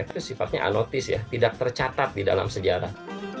itu sifatnya anotis ya tidak tercatat di dalam sejarah